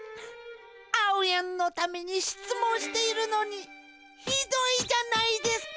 あおやんのためにしつもんしているのにひどいじゃないですか！